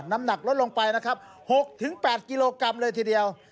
น้ำหนักลดลงไปนะครับ๖๘กิโลกรัมเลยทีเดียว